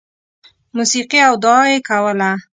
• موسیقي او دعا یې کوله.